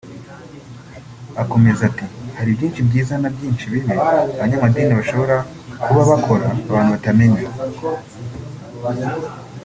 Akomeza ati “Hari byinshi byiza na byinshi bibi abanyamadini bashobora kuba bakora abantu batamenya